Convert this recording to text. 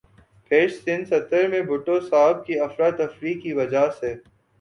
پھر سن ستر میں بھٹو صاھب کی افراتفریح کی وجہ سے